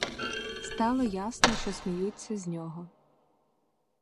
Стало ясно, що сміються з нього.